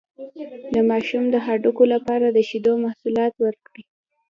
د ماشوم د هډوکو لپاره د شیدو محصولات ورکړئ